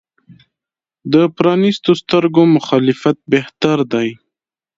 د پرانیستو سترګو مخالفت بهتر دی.